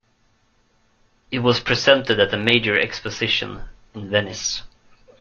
It was presented at a major exposition in Venice.